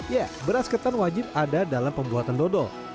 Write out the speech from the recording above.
ya beras ketan wajib ada dalam pembuatan dodol